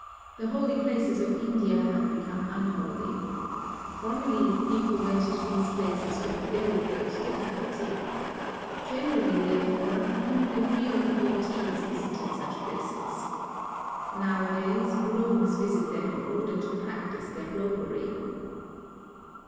The holy places of India have become unholy. Formerly people went to these places with very great difficulty. Generally, therefore, only the real devotees visited such places. Now a days, rogues visit them in order to practise their roguery.